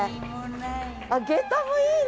あっ下駄もいいね！